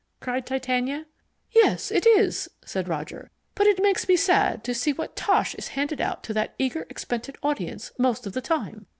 cried Titania. "Yes, it is," said Roger; "but it makes me sad to see what tosh is handed out to that eager, expectant audience, most of the time.